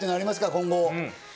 今後。